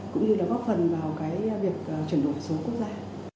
cũng như đóng góp phần vào cái việc chuyển đổi số quốc gia